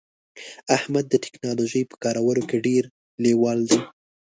احمد د ټکنالوژی په کارولو کې ډیر لیوال دی